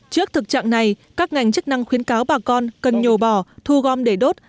trước thực trạng này các ngành chức năng khuyến cáo bà con cần nhồ bò thu gom để đốt